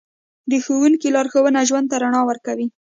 د ښوونکي لارښوونه ژوند ته رڼا ورکوي.